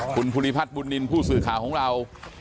คุณภูริพัฒน์บุญนินทร์ผู้สื่อข่าวของเรา